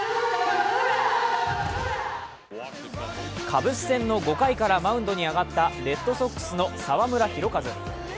カブス戦の５回からマウンドに上がったレッドソックスの澤村拓一。